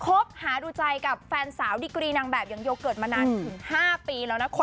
คบหาดูใจกับแฟนสาวดิกรีนางแบบอย่างโยเกิร์ตมานานถึง๕ปีแล้วนะคุณ